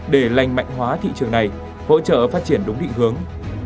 để lành mạnh hóa thị trường này hỗ trợ phát triển đúng định hướng